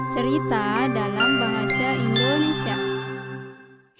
cerita dalam bahasa indonesia